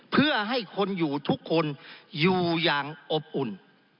เพื่อให้คนอยู่ทุกคนอยู่อย่างอบอุ่น